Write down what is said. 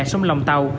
sông lòng tàu